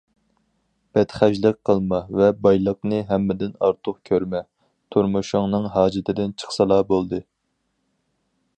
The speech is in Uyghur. بەتخەجلىك قىلما ۋە بايلىقنى ھەممىدىن ئارتۇق كۆرمە، تۇرمۇشۇڭنىڭ ھاجىتىدىن چىقسىلا بولدى.